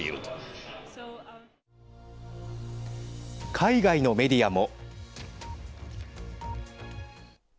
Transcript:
海外のメディアも。